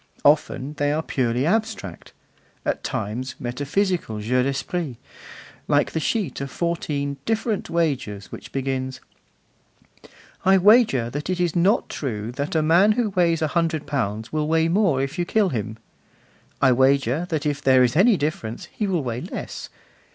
Often, they are purely abstract; at times, metaphysical 'jeux d'esprit,' like the sheet of fourteen 'Different Wagers,' which begins: I wager that it is not true that a man who weighs a hundred pounds will weigh more if you kill him. I wager that if there is any difference, he will weigh less.